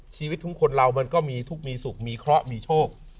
ชีวิตของคนเรามันก็มีทุกข์มีสุขมีเคราะห์มีโชค